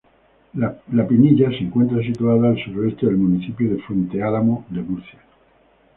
La Pinilla se encuentra situada al suroeste del municipio de Fuente Álamo de Murcia.